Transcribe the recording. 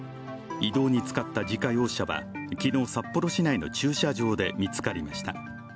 移動に使った自家用車は昨日札幌市内の駐車場で見つかりました。